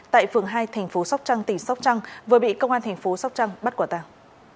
tại phường hai thành phố sóc trăng tỉnh sóc trăng vừa bị công an thành phố sóc trăng bắt quả tàng